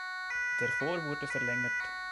Der Chor wurde verlängert.